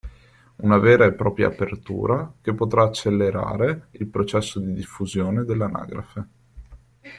Una vera e propria apertura, che potrà accelerare il processo di diffusione dell'anagrafe.